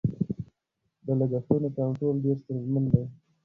د لګښتونو کنټرولول ډېر ستونزمن دي.